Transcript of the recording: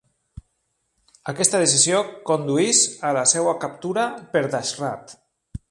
Aquesta decisió condueix a la seva captura per Dashrath.